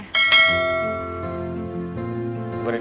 gue ada di situ